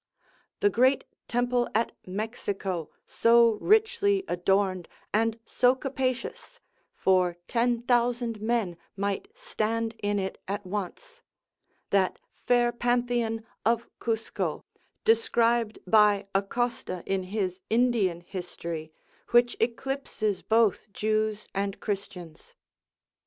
The great temple at Mexico so richly adorned, and so capacious (for 10,000 men might stand in it at once), that fair Pantheon of Cusco, described by Acosta in his Indian History, which eclipses both Jews and Christians.